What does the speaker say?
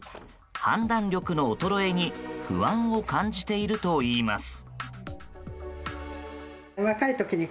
判断力の衰えに不安を感じているといいます。